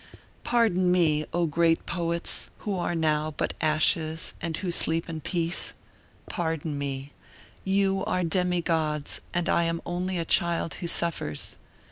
Pardon me! O, great poets! who are now but ashes and who sleep in peace! Pardon me; you are demi gods and I am only a child who suffers.